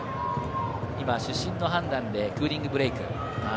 主審の判断でクーリングブレーク。